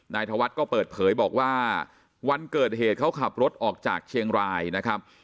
ธวัฒน์ก็เปิดเผยบอกว่าวันเกิดเหตุเขาขับรถออกจากเชียงรายนะครับ